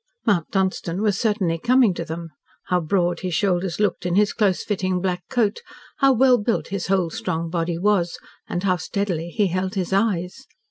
Mount Dunstan was certainly coming to them. How broad his shoulders looked in his close fitting black coat, how well built his whole strong body was, and how steadily he held his eyes!